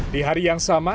di hari yang sama